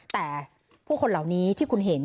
แต่ผู้คนเหล่านี้ที่คุณเห็น